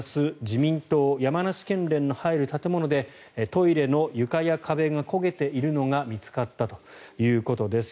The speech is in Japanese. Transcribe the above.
自民党山梨県連の入る建物でトイレの床や壁が焦げているのが見つかったということです。